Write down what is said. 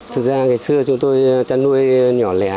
thực ra ngày xưa chúng tôi chăn nuôi nhỏ lẻ